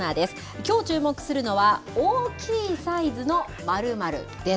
きょう注目するのは、大きいサイズの○○です。